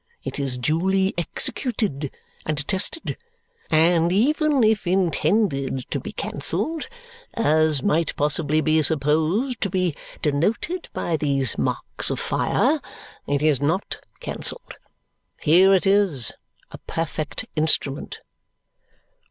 It is duly executed and attested. And even if intended to be cancelled, as might possibly be supposed to be denoted by these marks of fire, it is NOT cancelled. Here it is, a perfect instrument!"